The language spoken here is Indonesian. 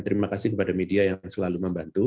terima kasih kepada media yang selalu membantu